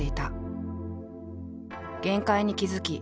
限界に気付き